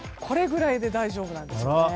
これぐらいで大丈夫なんですね。